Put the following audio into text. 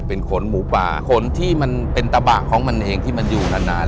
เป็นขนหมูป่าขนที่มันเป็นตะบะของมันเองที่มันอยู่นาน